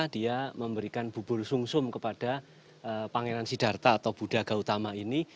dia memberikan bubur sungsum kepada pangeran siddhartha atau buddha gautama ini